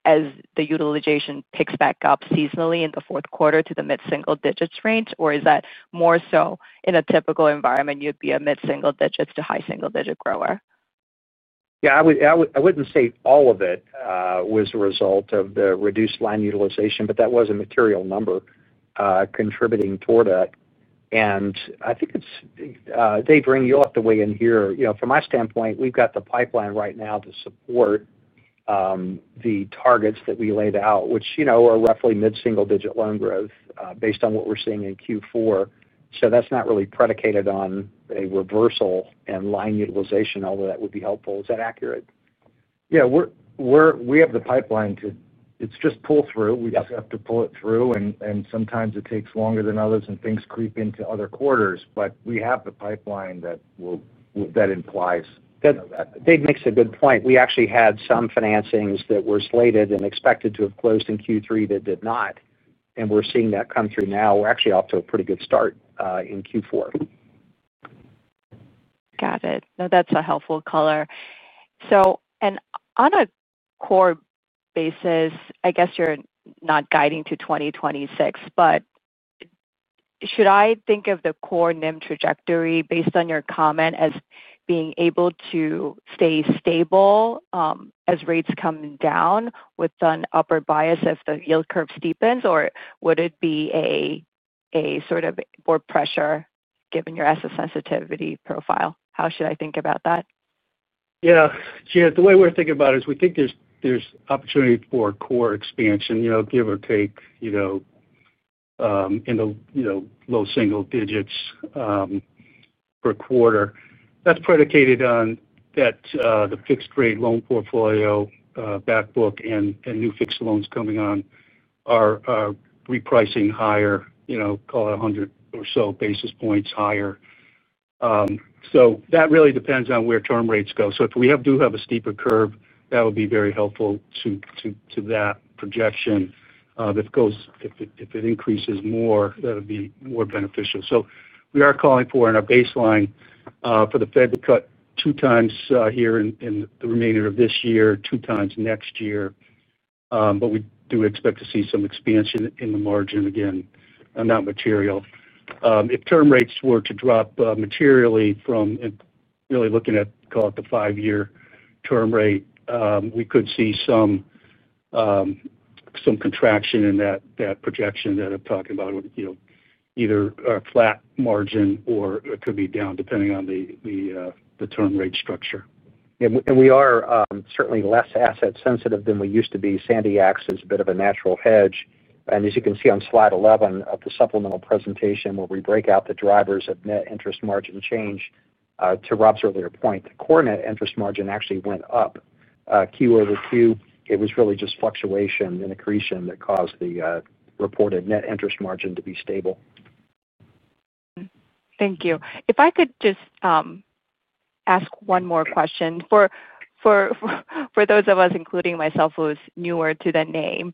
as the utilization picks back up seasonally in the fourth quarter to the mid-single digits range? Is that more so in a typical environment, you'd be a mid-single digits to high single-digit grower? I wouldn't say all of it was a result of the reduced line utilization, but that was a material number, contributing toward that. I think it's Dave Ring, you'll have to weigh in here. From my standpoint, we've got the pipeline right now to support the targets that we laid out, which are roughly mid-single-digit loan growth, based on what we're seeing in Q4. That's not really predicated on a reversal in line utilization, although that would be helpful. Is that accurate? Yeah, we have the pipeline too, it's just pull-through. We just have to pull it through. Sometimes it takes longer than others and things creep into other quarters, but we have the pipeline that implies. That Dave makes a good point. We actually had some financings that were slated and expected to have closed in Q3 that did not. We are seeing that come through now. We are actually off to a pretty good start in Q4. Got it. That's a helpful caller. On a core basis, I guess you're not guiding to 2026, but should I think of the core NIM trajectory based on your comment as being able to stay stable as rates come down with an upward bias if the yield curve steepens, or would it be more pressure given your asset sensitivity profile? How should I think about that? Yeah, the way we're thinking about it is we think there's opportunity for core expansion, you know, give or take, in the low single digits per quarter. That's predicated on the fixed-rate loan portfolio, backbook, and new fixed loans coming on repricing higher, you know, call it 100 or so basis points higher. That really depends on where term rates go. If we do have a steeper curve, that would be very helpful to that projection. If it increases more, that would be more beneficial. We are calling for, in our baseline, for the Fed to cut two times here in the remainder of this year, two times next year. We do expect to see some expansion in the margin again, and not material. If term rates were to drop materially from, and really looking at, call it the five-year term rate, we could see some contraction in that projection that I'm talking about, either a flat margin or it could be down depending on the term rate structure. We are certainly less asset-sensitive than we used to be. Sandy acts as a bit of a natural hedge. As you can see on slide 11 of the supplemental presentation where we break out the drivers of net interest margin change, to Rob's earlier point, the core net interest margin actually went up, Q over Q. It was really just fluctuation and accretion that caused the reported net interest margin to be stable. Thank you. If I could just ask one more question for those of us, including myself, who are newer to the name.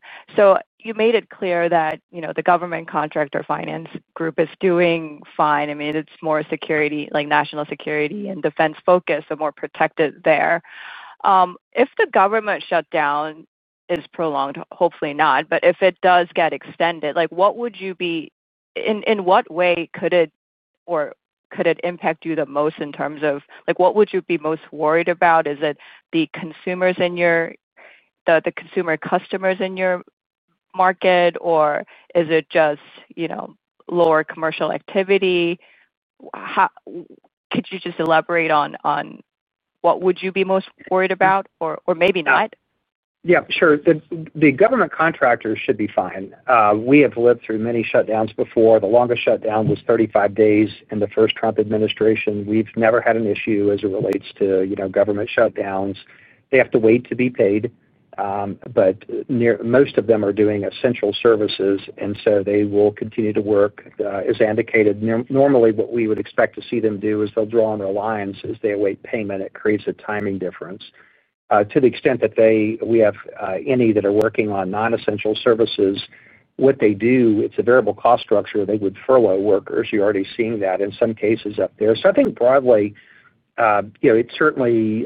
You made it clear that the government contractor finance group is doing fine. I mean, it's more security, like national security and defense focused, so more protected there. If the government shutdown is prolonged, hopefully not, but if it does get extended, what would you be, in what way could it or could it impact you the most in terms of what would you be most worried about? Is it the consumers, the consumer customers in your market, or is it just lower commercial activity? Could you just elaborate on what would you be most worried about, or maybe not? Yeah, sure. The government contractors should be fine. We have lived through many shutdowns before. The longest shutdown was 35 days in the first Trump administration. We've never had an issue as it relates to, you know, government shutdowns. They have to wait to be paid, but most of them are doing essential services, and so they will continue to work, as I indicated. Normally, what we would expect to see them do is they'll draw on their lines as they await payment. It creates a timing difference. To the extent that we have any that are working on non-essential services, what they do, it's a variable cost structure. They would furlough workers. You're already seeing that in some cases up there. I think broadly, it certainly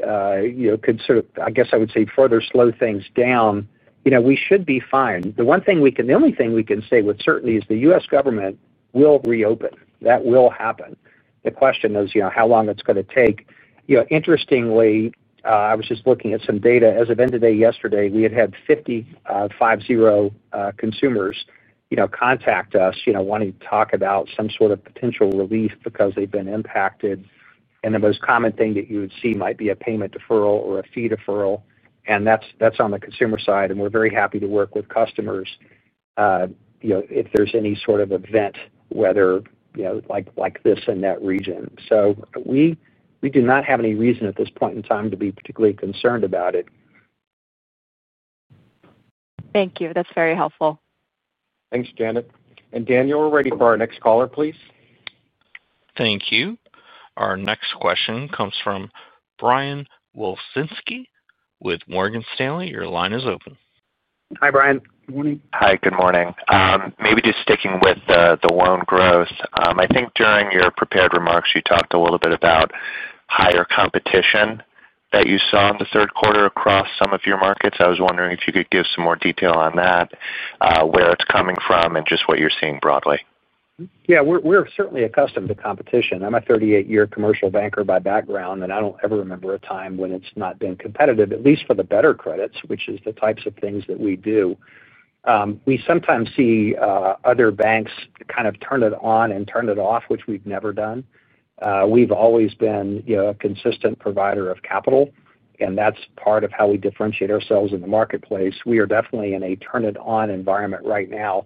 could sort of, I guess I would say, further slow things down. We should be fine. The only thing we can say with certainty is the U.S. government will reopen. That will happen. The question is how long it's going to take. Interestingly, I was just looking at some data. As of end of day yesterday, we had had 50, five zero, consumers contact us wanting to talk about some sort of potential relief because they've been impacted. The most common thing that you would see might be a payment deferral or a fee deferral. That's on the consumer side. We're very happy to work with customers if there's any sort of event, whether like this in that region. We do not have any reason at this point in time to be particularly concerned about it. Thank you. That's very helpful. Thanks, Janet. Daniel, we're ready for our next caller, please. Thank you. Our next question comes from Brian Wilczynski with Morgan Stanley. Your line is open. Hi, Brian. Morning. Hi, good morning. Maybe just sticking with the loan growth. I think during your prepared remarks, you talked a little bit about higher competition that you saw in the third quarter across some of your markets. I was wondering if you could give some more detail on that, where it's coming from, and just what you're seeing broadly. Yeah, we're certainly accustomed to competition. I'm a 38-year commercial banker by background, and I don't ever remember a time when it's not been competitive, at least for the better credits, which is the types of things that we do. We sometimes see other banks kind of turn it on and turn it off, which we've never done. We've always been a consistent provider of capital, and that's part of how we differentiate ourselves in the marketplace. We are definitely in a turn-it-on environment right now,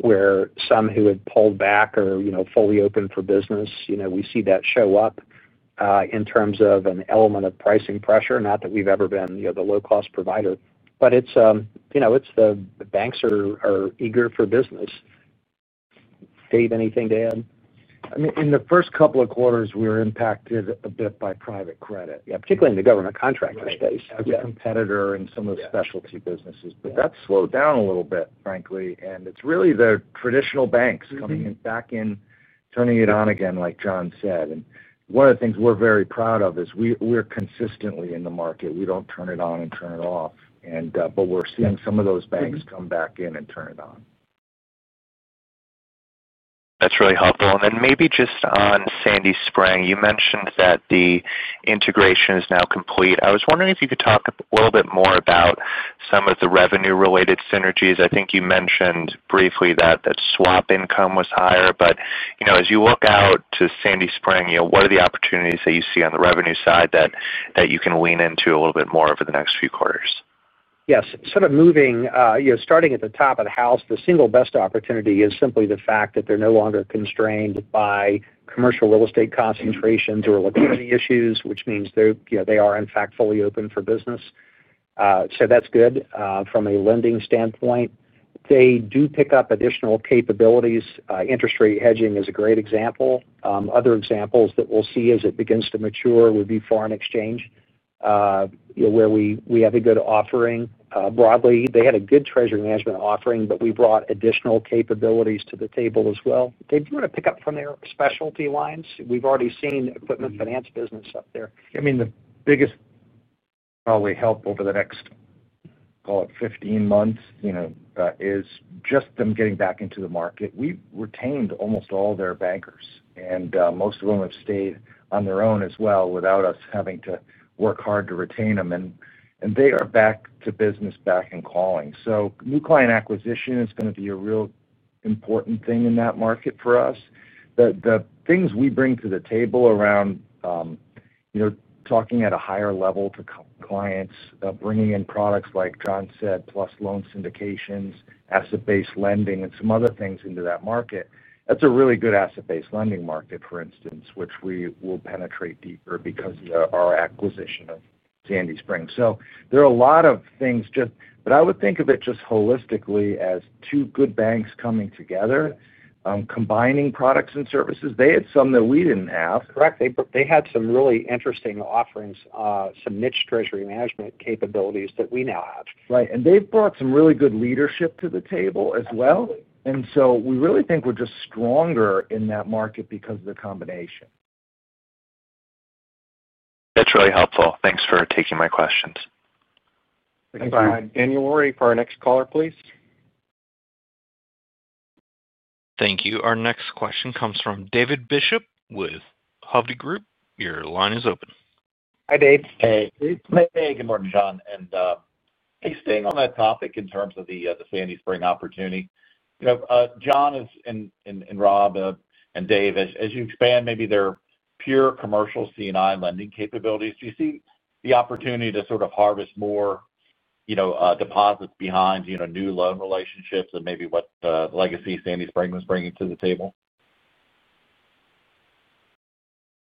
where some who had pulled back are, you know, fully opened for business. You know, we see that show up in terms of an element of pricing pressure. Not that we've ever been the low-cost provider, but it's, you know, the banks are eager for business. Dave, anything to add? I mean, in the first couple of quarters, we were impacted a bit by private credit. Yeah, particularly in the government contractor finance portfolio. As a competitor in some of the specialty businesses, that's slowed down a little bit, frankly. It's really the traditional banks coming back in, turning it on again, like John said. One of the things we're very proud of is we're consistently in the market. We don't turn it on and turn it off, but we're seeing some of those banks come back in and turn it on. That's really helpful. Maybe just on Sandy Spring, you mentioned that the integration is now complete. I was wondering if you could talk a little bit more about some of the revenue-related synergies. I think you mentioned briefly that swap income was higher. But as you look out to Sandy Spring, what are the opportunities that you see on the revenue side that you can lean into a little bit more over the next few quarters? Yes. Sort of moving, you know, starting at the top of the house, the single best opportunity is simply the fact that they're no longer constrained by commercial real estate concentrations or liquidity issues, which means they are, in fact, fully open for business. That's good. From a lending standpoint, they do pick up additional capabilities. Interest rate hedging is a great example. Other examples that we'll see as it begins to mature would be foreign exchange, where we have a good offering. Broadly, they had a good treasury management offering, but we brought additional capabilities to the table as well. Dave, do you want to pick up from their specialty lines? We've already seen equipment finance business up there. I mean, the biggest probably help over the next, call it 15 months, is just them getting back into the market. We've retained almost all their bankers. Most of them have stayed on their own as well without us having to work hard to retain them, and they are back to business, back and calling. New client acquisition is going to be a real important thing in that market for us. The things we bring to the table around, you know, talking at a higher level to clients, bringing in products like John said, plus loan syndications, asset-based lending, and some other things into that market. That's a really good asset-based lending market, for instance, which we will penetrate deeper because of our acquisition of Sandy Spring. There are a lot of things, but I would think of it just holistically as two good banks coming together, combining products and services. They had some that we didn't have. Correct. They had some really interesting offerings, some niche treasury management capabilities that we now have. Right. They've brought some really good leadership to the table as well. We really think we're just stronger in that market because of the combination. That's really helpful. Thanks for taking my questions. Thanks, Brian. Thanks, Brian. Daniel, we're ready for our next caller, please. Thank you. Our next question comes from David Bishop with Hovde Group. Your line is open. Hi, Dave. Hey. Good morning, John. Staying on that topic in terms of the Sandy Spring opportunity, John, Rob, and Dave, as you expand maybe their pure commercial CNI lending capabilities, do you see the opportunity to sort of harvest more deposits behind new loan relationships and maybe what the legacy Sandy Spring was bringing to the table?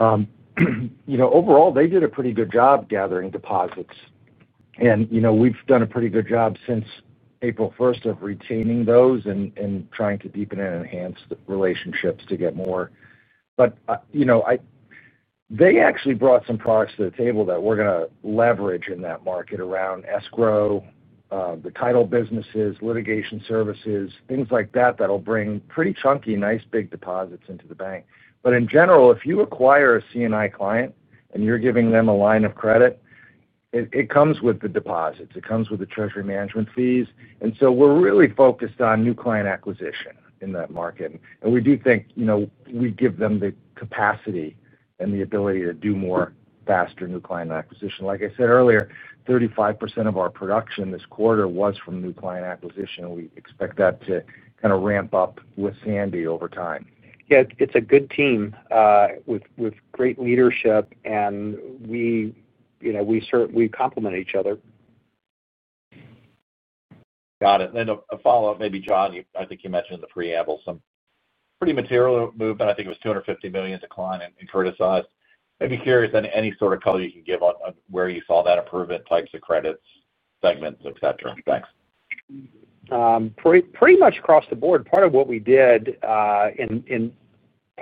Overall, they did a pretty good job gathering deposits. We've done a pretty good job since April 1 of retaining those and trying to deepen and enhance relationships to get more. They actually brought some products to the table that we're going to leverage in that market around escrow, the title businesses, litigation services, things like that that'll bring pretty chunky, nice big deposits into the bank. In general, if you acquire a C&I client and you're giving them a line of credit, it comes with the deposits. It comes with the treasury management fees. We're really focused on new client acquisition in that market. We do think we give them the capacity and the ability to do more faster new client acquisition. Like I said earlier, 35% of our production this quarter was from new client acquisition. We expect that to kind of ramp up with Sandy over time. Yeah, it's a good team with great leadership. We certainly complement each other. Got it. A follow-up, maybe, John, I think you mentioned in the preamble some pretty material movement. I think it was a $250 million decline in criticized. Maybe curious on any sort of color you can give on where you saw that improvement, types of credits, segments, etc. Thanks. Pretty much across the board. Part of what we did, in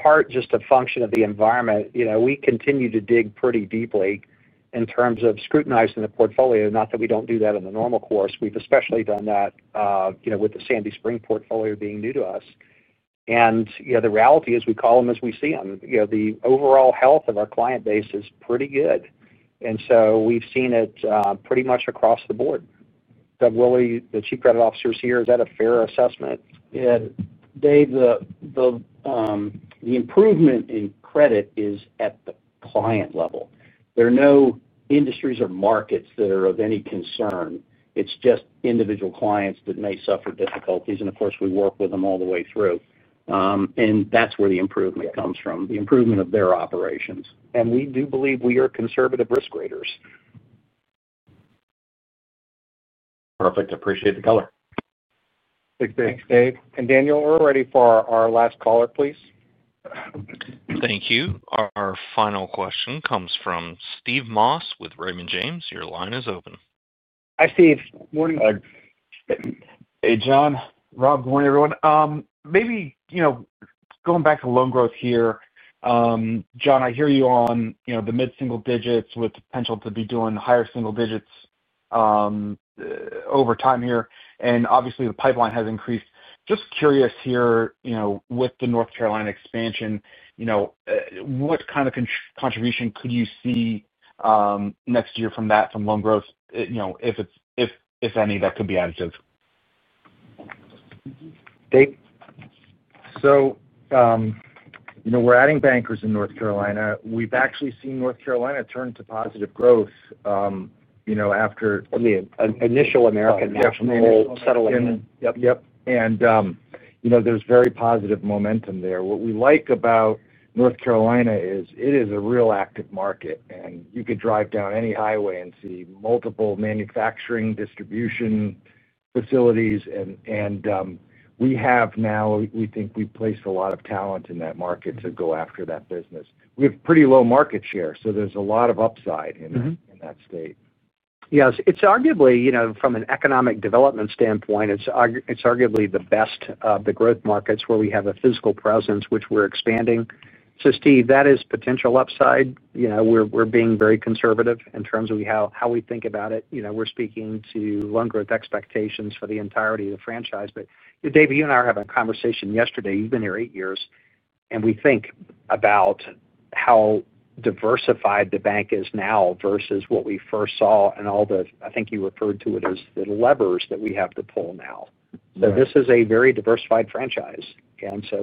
part just a function of the environment, we continue to dig pretty deeply in terms of scrutinizing the portfolio. Not that we don't do that in the normal course. We've especially done that with the Sandy Spring portfolio being new to us. The reality is we call them as we see them. The overall health of our client base is pretty good. We've seen it pretty much across the board. Doug Woolley, the Chief Credit Officer, is here. Is that a fair assessment? Yeah. Dave, the improvement in credit is at the client level. There are no industries or markets that are of any concern. It's just individual clients that may suffer difficulties. Of course, we work with them all the way through, and that's where the improvement comes from, the improvement of their operations. We do believe we are conservative risk graders. Perfect. Appreciate the color. Big thanks, Dave. Daniel, we're ready for our last caller, please. Thank you. Our final question comes from Steve Moss with Raymond James. Your line is open. Hi, Steve. Morning. Hey, John. Rob, good morning, everyone. Maybe, you know, going back to loan growth here, John, I hear you on, you know, the mid-single digits with the potential to be doing higher single digits over time here. Obviously, the pipeline has increased. Just curious here, you know, with the North Carolina expansion, what kind of contribution could you see next year from that, from loan growth, if it's, if any, that could be additive? Dave? We're adding bankers in North Carolina. We've actually seen North Carolina turn to positive growth after. Initial American National Settlement. Yep, yep. There's very positive momentum there. What we like about North Carolina is it is a real active market. You could drive down any highway and see multiple manufacturing, distribution facilities. We have now, we think we've placed a lot of talent in that market to go after that business. We have pretty low market share, so there's a lot of upside in that state. Yes. It's arguably, you know, from an economic development standpoint, it's arguably the best of the growth markets where we have a physical presence, which we're expanding. So Steve, that is potential upside. We're being very conservative in terms of how we think about it. We're speaking to loan growth expectations for the entirety of the franchise. Dave, you and I were having a conversation yesterday. You've been here eight years. We think about how diversified the bank is now versus what we first saw and all the, I think you referred to it as the levers that we have to pull now. This is a very diversified franchise.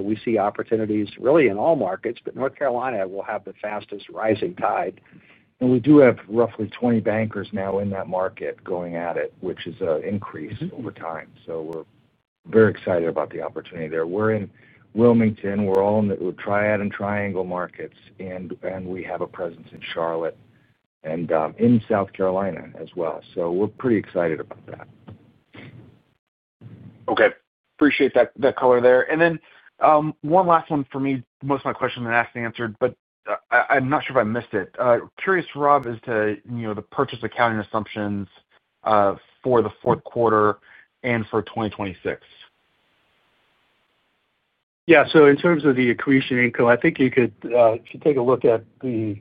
We see opportunities really in all markets, but North Carolina will have the fastest rising tide. We do have roughly 20 bankers now in that market going at it, which is an increase over time. We are very excited about the opportunity there. We are in Wilmington, and we are all in the Triad and Triangle markets. We have a presence in Charlotte and in South Carolina as well. We are pretty excited about that. Okay. Appreciate that color there. One last one for me. Most of my questions have been asked and answered, but I'm not sure if I missed it. Curious, Rob, as to the purchase accounting assumptions for the fourth quarter and for 2026. Yeah. In terms of the accretion income, I think you could, if you take a look at the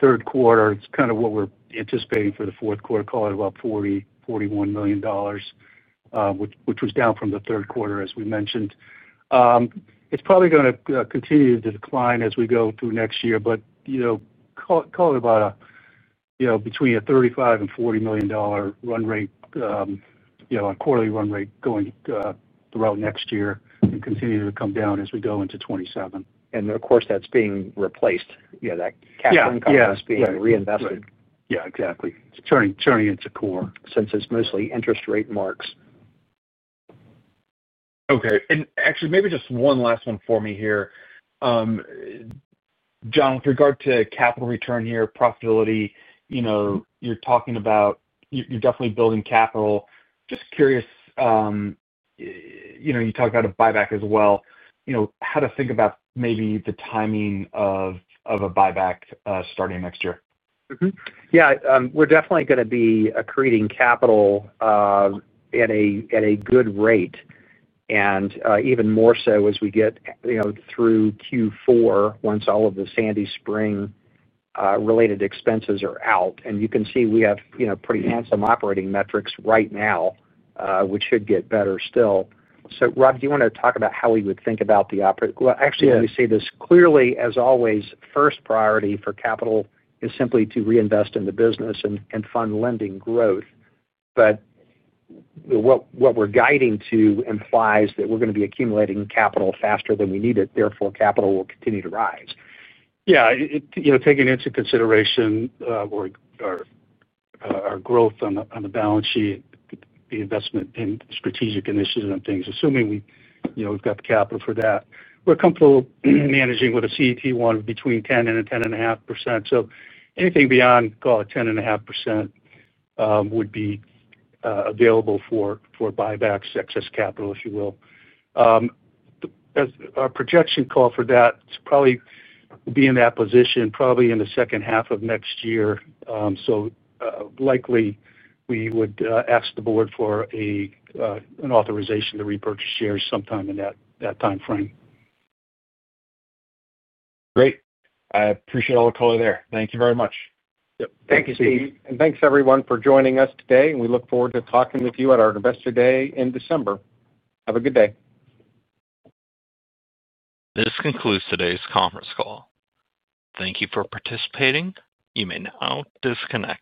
third quarter, it's kind of what we're anticipating for the fourth quarter, call it about $41 million, which was down from the third quarter, as we mentioned. It's probably going to continue to decline as we go through next year, but call it about a, you know, between a $35 million and $40 million run rate on quarterly run rate going throughout next year and continue to come down as we go into 2027. Of course, that's being replaced. You know, that cash income that's being reinvested. Yeah, exactly. It's turning into core since it's mostly interest rate marks. Okay. Actually, maybe just one last one for me here. John, with regard to capital return here, profitability, you know, you're talking about you're definitely building capital. Just curious, you know, you talked about a buyback as well. You know, how to think about maybe the timing of a buyback, starting next year? Mm-hmm. Yeah, we're definitely going to be accreting capital at a good rate, even more so as we get through Q4 once all of the Sandy Spring related expenses are out. You can see we have pretty handsome operating metrics right now, which should get better still. Rob, do you want to talk about how we would think about the operating? Actually, let me say this. Clearly, as always, first priority for capital is simply to reinvest in the business and fund lending growth. But what we're guiding to implies that we're going to be accumulating capital faster than we need it. Therefore, capital will continue to rise. Yeah. You know, taking into consideration our growth on the balance sheet, the investment in strategic initiatives and things, assuming we, you know, we've got the capital for that. We're comfortable managing with a CET1 between 10% and 10.5%. Anything beyond, call it 10.5%, would be available for buybacks, excess capital, if you will. Our projection calls for that probably would be in that position probably in the second half of next year. Likely, we would ask the board for an authorization to repurchase shares sometime in that time frame. Great. I appreciate all the color there. Thank you very much. Thank you, Steve. Thank you, everyone, for joining us today. We look forward to talking with you at our Investor Day in December. Have a good day. This concludes today's conference call. Thank you for participating. You may now disconnect.